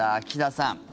岸田さん